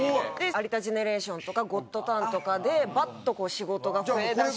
『有田ジェネレーション』とか『ゴッドタン』とかでバッと仕事が増えだした。